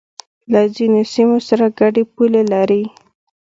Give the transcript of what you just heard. له ځینو سیمو سره گډې پولې لري